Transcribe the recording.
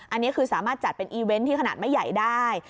อันนี้คือสามารถจัดเป็นอีเวนต์ที่ขนาดไม่ใหญ่ได้